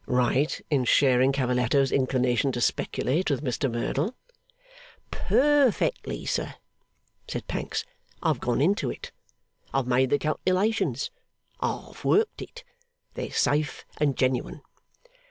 'Right in sharing Cavalletto's inclination to speculate with Mr Merdle?' 'Per fectly, sir,' said Pancks. 'I've gone into it. I've made the calculations. I've worked it. They're safe and genuine.